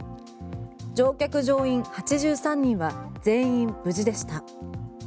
乗客・乗員８３人は全員無事でした。